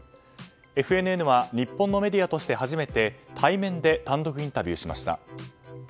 ＦＮＮは日本のメディアとして初めて対面で単独インタビューしました。